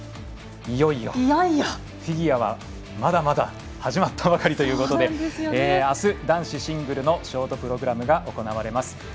いよいよフィギュアはまだまだ始まったばかりということであす、男子シングルのショートプログラムが行われます。